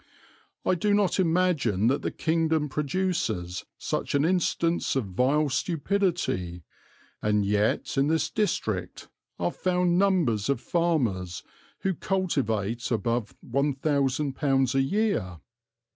I do not imagine that the kingdom produces such an instance of vile stupidity; and yet in this district are found numbers of farmers who cultivate above £1000 a year.